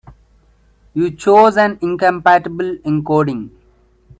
You chose an incompatible encoding.